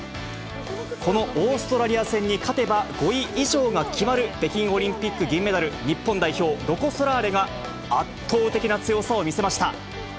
このオーストラリア戦に勝てば、５位以上が決まる北京オリンピック銀メダル、日本代表、ロコ・ソラーレが圧倒的な強さを見せました。